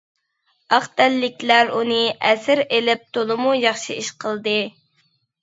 ئاق تەنلىكلەر ئۇنى ئەسىر ئېلىپ تولىمۇ ياخشى ئىش قىلدى!